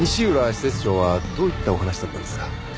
施設長はどういったお話だったんですか？